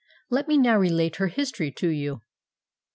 Let me now relate her history to you."